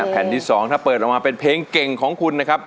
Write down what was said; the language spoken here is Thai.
แผ่นที่๒ถ้าเปิดออกมาเป็นเพลงเก่งของคุณนะครับ